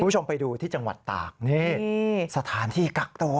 คุณผู้ชมไปดูที่จังหวัดตากนี่สถานที่กักตัว